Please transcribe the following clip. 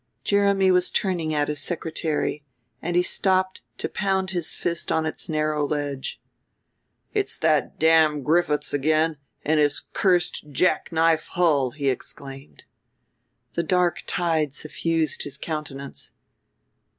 Jeremy was turning at his secretary, and he stopped to pound his fist on its narrow ledge. "It's that damned Griffiths again and his cursed jackknife hull!" he exclaimed. The dark tide suffused his countenance.